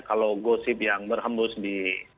kalau gosip yang berhembus di